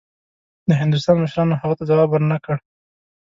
د هندوستان مشرانو هغه ته ځواب ورنه کړ.